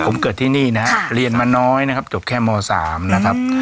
ผมเกิดที่นี่นะครับเรียนมาน้อยนะครับจบแค่ม๓นะครับ